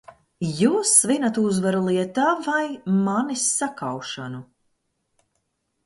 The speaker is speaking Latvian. Jūs svinat uzvaru lietā vai manis sakaušanu?